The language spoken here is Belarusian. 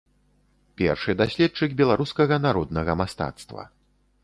Першы даследчык беларускага народнага мастацтва.